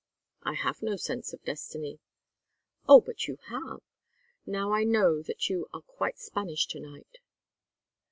"I have no sense of destiny." "Oh, but you have. Now I know that you are quite Spanish to night.